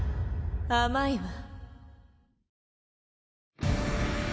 甘いわ。